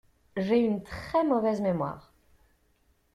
J'ai une très mauvaise mémoire.